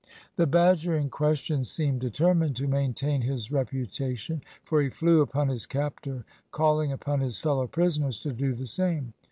The badger in question seemed determined to maintain his reputation, for he flew upon his captor, calling upon his fellow prisoners to do the same.